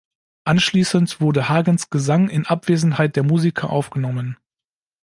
Anschließend wurde Hagens Gesang in Abwesenheit der Musiker aufgenommen.